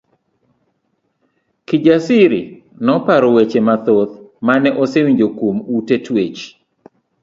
Kijasiri noparo weche mathoth mane osewinjo kuom ute twech.